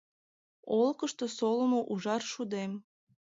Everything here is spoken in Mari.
Олыкышто солымо ужар шудем.